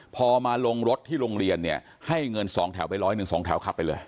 พอมาลงรถที่โรงเรียนเนี่ยให้เงินสองแถวไปร้อยหนึ่งสองแถวขับไปเลย